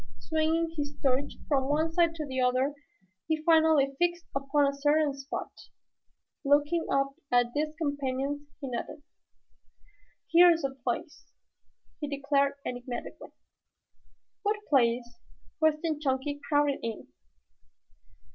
Swinging his torch from one side to the other he finally fixed upon a certain spot. Looking up at his companions he nodded. "Here is the place," he declared enigmatically. "What place?" questioned Chunky, crowding in.